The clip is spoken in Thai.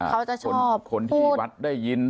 เขาจะชนคนที่วัดได้ยิน